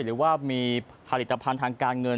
หรือว่ามีผลิตภัณฑ์ทางการเงิน